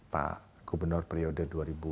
pak gubernur periode